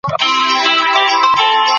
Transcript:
د څېړنې لاره په حقیقت کې د ژوند سمه لاره ده.